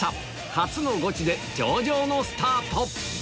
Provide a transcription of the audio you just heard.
初のゴチで上々のスタート